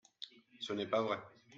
Ce n’est pas vrai.